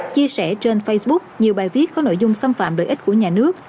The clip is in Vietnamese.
chia sẻ trên facebook nhiều bài viết có nội dung xâm phạm lợi ích của nhà nước